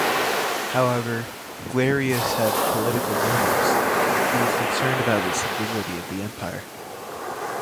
However, Galerius had political motives; he was concerned about the stability of the empire.